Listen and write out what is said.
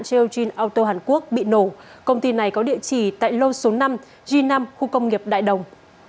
chalge auto hàn quốc bị nổ công ty này có địa chỉ tại lô số năm g năm khu công nghiệp đại đồng